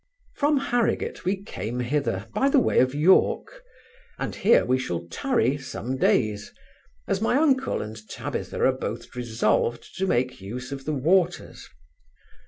From Harrigate, we came hither, by the way of York, and here we shall tarry some days, as my uncle and Tabitha are both resolved to make use of the waters.